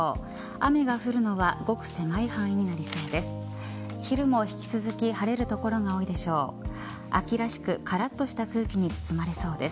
雨が降るのはごく狭い範囲になりそうです。